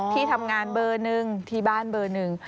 ที่ทำงานเบอร์หนึ่งที่บ้านเบอร์หนึ่ง